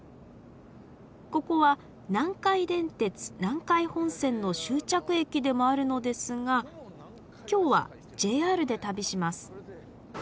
ここは南海電鉄南海本線の終着駅でもあるのですが今日はＪＲで旅します。